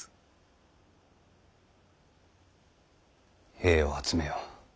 兵を集めよ。